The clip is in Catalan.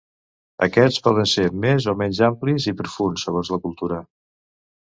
Aquests poden ser més o menys amplis i profunds segons la cultura.